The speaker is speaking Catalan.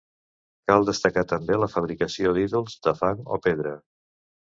Cal destacar també la fabricació d'ídols de fang o pedra.